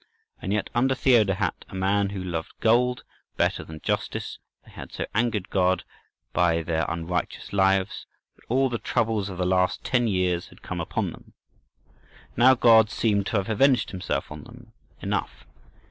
And yet under Theodahat—a man who loved gold better than justice—they had so angered God by their unrighteous lives, that all the troubles of the last ten years had come upon them. Now God seemed to have avenged Himself on them enough.